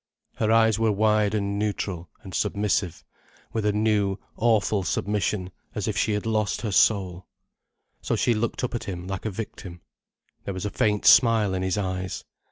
Her eyes were wide and neutral and submissive, with a new, awful submission as if she had lost her soul. So she looked up at him, like a victim. There was a faint smile in his eyes.